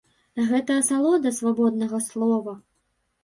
Гэта асалода свабоднага слова!